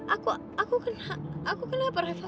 aku aku kena aku kena perasa